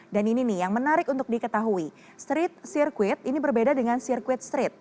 dan ini nih yang menarik untuk diketahui sirkuit ini berbeda dengan sirkuit street